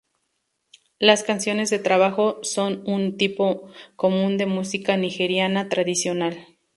Las canciones de trabajo son un tipo común de música nigeriana tradicional.